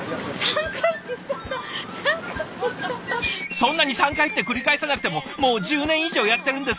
そんなに「３回」って繰り返さなくてももう１０年以上やってるんです。